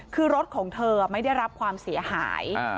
คือรถของเธอไม่ได้รับความเสียหาย